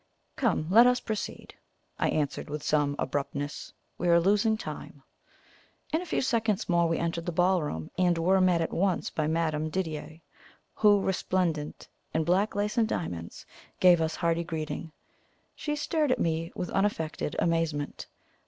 "Come, let us proceed," I answered, with some abruptness. "We are losing time." In a few seconds more we entered the ballroom, and were met at once by Madame Didier, who, resplendent in black lace and diamonds, gave us hearty greeting. She stared at me with unaffected amazement.